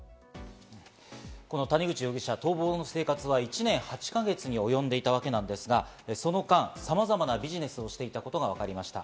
この谷口容疑者、逃亡の生活は１年８か月に及んでいたわけなんですが、その間、さまざまなビジネスをしていたことがわかりました。